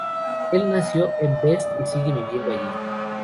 El nació en Best, y sigue viviendo allí.